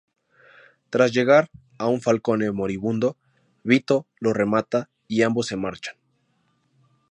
Tras llegar a un Falcone moribundo, Vito lo remata y ambos se marchan.